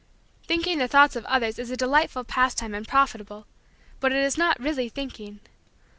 Thinking the thoughts of others is a delightful pastime and profitable but it is not really thinking.